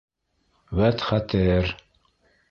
Вәт хәтер!